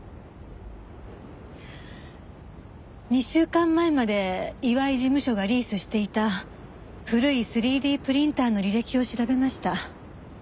２週間前まで岩井事務所がリースしていた古い３Ｄプリンターの履歴を調べました。